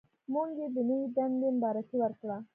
موږ یې د نوې دندې مبارکي ورکړه.